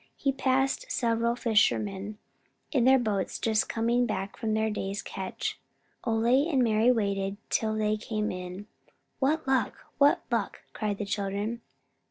He passed several fishermen in their boats just coming back from their day's catch. Ole and Mari waited till they came in. "What luck, what luck?" cried the children.